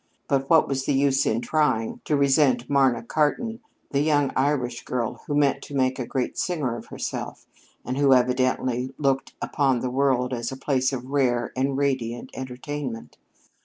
But what was the use in trying, to resent Marna Cartan, the young Irish girl who meant to make a great singer of herself, and who evidently looked upon the world as a place of rare and radiant entertainment?